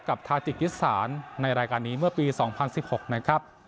ทาจิกกิสานในรายการนี้เมื่อปี๒๐๑๖นะครับ